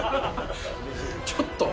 ちょっと！